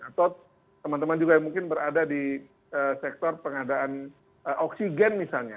atau teman teman juga yang mungkin berada di sektor pengadaan oksigen misalnya